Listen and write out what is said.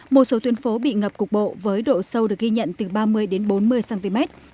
một số tuyến phố bị ngập cục bộ với độ sâu được ghi nhận từ ba mươi đến bốn mươi cm